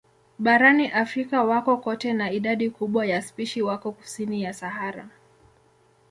Barani Afrika wako kote na idadi kubwa ya spishi wako kusini ya Sahara.